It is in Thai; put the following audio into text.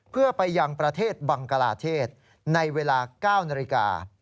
เพื่อไปยังประเทศบังกลาเทศในเวลา๙นาฬิกา